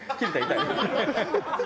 痛い？